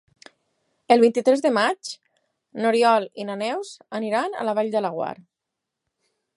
El vint-i-tres de maig n'Oriol i na Neus iran a la Vall de Laguar.